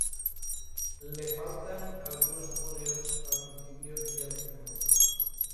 Le faltan algunos folios al principio y al final.